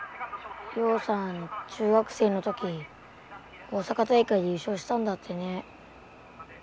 陽さん中学生の時大阪大会で優勝したんだってね。